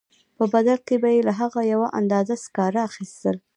په بدل کې به یې له هغه یوه اندازه سکاره اخیستل